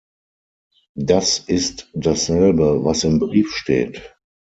Das ist dasselbe, was im Brief steht.